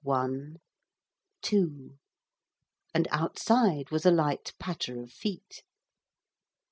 One, two. And outside was a light patter of feet.